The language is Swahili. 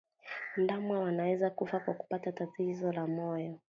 Ndama wanaweza kufa kwa kupata tatizo la moyo